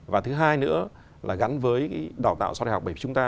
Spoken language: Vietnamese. và thứ hai nữa là gắn với đào tạo so đại học bởi vì chúng ta